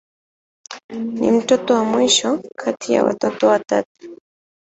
Ni mtoto wa mwisho kati ya watoto watatu.